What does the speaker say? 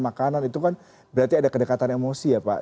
makanan itu kan berarti ada kedekatan emosi ya pak